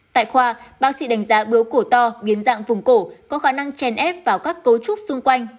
tại khoa bác sĩ đánh giá bướu cổ to biến dạng vùng cổ có khả năng chèn ép vào các cấu trúc xung quanh